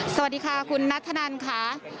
สวัสดีค่ะคุณนัทธนันค่ะ